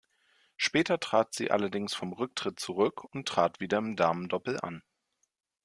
Später trat Sie allerdings vom Rücktritt zurück und trat wieder im Damendoppel an.